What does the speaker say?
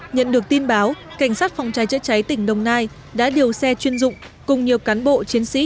nhận được tin báo cảnh sát phòng cháy chữa cháy tỉnh đồng nai đã điều xe chuyên dụng cùng nhiều cán bộ chiến sĩ